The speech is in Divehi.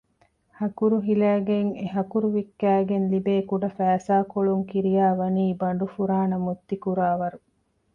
ހަކުރު ހިލައިގެން އެހަކުރު ވިއްކައިގެން ލިބޭ ކުޑަ ފައިސާކޮޅުން ކިރިޔާވަނީ ބަނޑުފުރާނަ މުއްތިކުރާވަރު